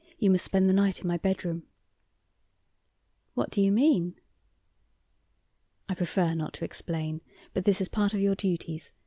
You must spend the night in my bedroom." "What do you mean?" "I prefer not to explain. But this is part of your duties.